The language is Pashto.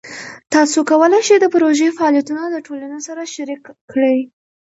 تاسو کولی شئ د پروژې فعالیتونه د ټولنې سره شریک کړئ.